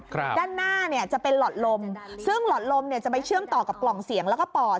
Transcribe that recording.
ครับด้านหน้าเนี่ยจะเป็นหลอดลมซึ่งหลอดลมเนี่ยจะไปเชื่อมต่อกับกล่องเสียงแล้วก็ปอด